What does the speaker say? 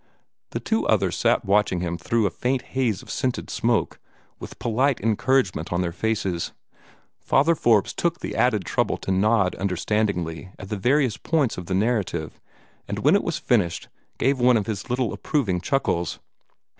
The two others sat watching him through a faint haze of scented smoke, with polite encouragement on their faces. Father Forbes took the added trouble to nod understandingly at the various points of the narrative, and when it was finished gave one of his little approving chuckles.